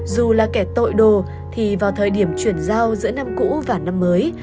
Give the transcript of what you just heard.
dù là kẻ tội đồ thì vào thời điểm chuyển giao giữa năm cũ và năm mới